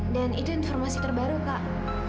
dan itu informasi terbaru kak